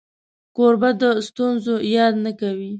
کوربه د ستونزو یاد نه کوي.